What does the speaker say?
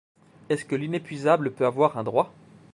Est-ce que l’inépuisable peut avoir un droit?